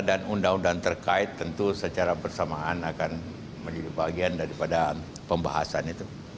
dan undang undang terkait tentu secara bersamaan akan menjadi bagian daripada pembahasan itu